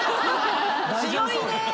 強いね！